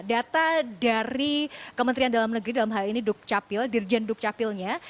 data dari kementerian dalam negeri dalam hal ini dukcapil dirjen dukcapilnya